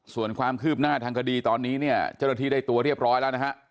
ส่วนความคืบหน้าทางคดีตอนนี้เนี่ยเจ้าหน้าที่ได้ตัวเรียบร้อยแล้วนะฮะ